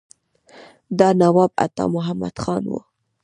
دا نواب عطا محمد خان وو.